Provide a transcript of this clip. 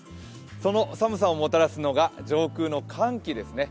その寒さをもたらすのが上空の寒気です。